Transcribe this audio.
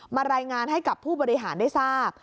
รายงานให้กับผู้บริหารได้ทราบ